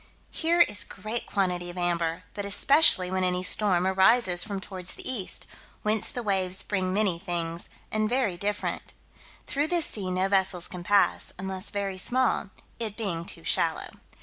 Here is great quantity of amber, but especially when any storm arises from towards the east; whence the waves bring many things, and very different. Through this sea no vessels can pass, unless very small, it being too shallow.